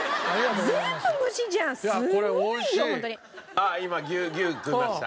あっ今牛食いました？